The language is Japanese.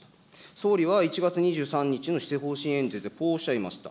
総理は１月２３日の施政方針演説でこうおっしゃいました。